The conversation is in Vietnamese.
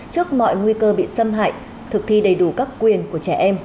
trước mọi nguy cơ bị xâm hại thực thi đầy đủ các quyền của trẻ em